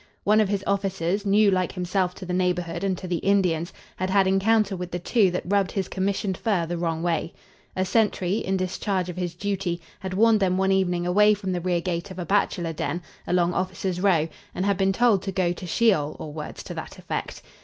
One of his officers, new like himself to the neighborhood and to the Indians, had had encounter with the two that rubbed his commissioned fur the wrong way. A sentry, in discharge of his duty, had warned them one evening away from the rear gate of a bachelor den, along officers' row, and had been told to go to sheol, or words to that effect.